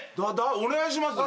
お願いしますよ。